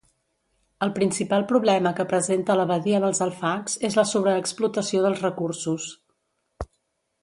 El principal problema que presenta la badia dels alfacs és la sobreexplotació dels recursos.